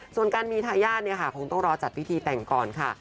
ส่วนการมีทายาทเนี่ยค่ะคงต้องรอจัดพิธีแต่งก่อนค่ะ